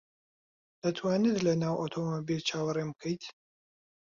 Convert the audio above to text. دەتوانیت لەناو ئۆتۆمۆبیل چاوەڕێم بکەیت؟